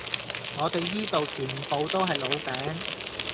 我地依度全部都係老餅